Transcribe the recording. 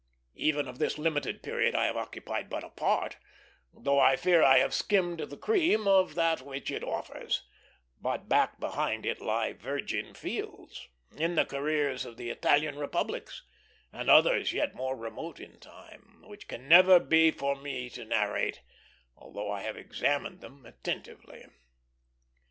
Even of this limited period I have occupied but a part, though I fear I have skimmed the cream of that which it offers; but back behind it lie virgin fields, in the careers of the Italian republics, and others yet more remote in time, which can never be for me to narrate, although I have examined them attentively.